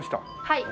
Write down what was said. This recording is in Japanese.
はい。